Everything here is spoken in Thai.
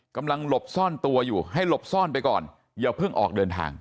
หลบซ่อนตัวอยู่ให้หลบซ่อนไปก่อนอย่าเพิ่งออกเดินทาง